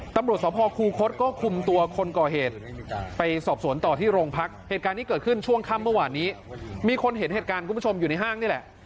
ตำรวจสภคูคศก็คุมตัวคนก่อเหตุไปสอบสวนต่อที่โรงพักเหตุการณ์ที่เกิดขึ้นช่วงค่ำเมื่อวานนี้มีคนเห็นเหตุการณ์คุณผู้ชมอยู่ในห้างนี่แหละ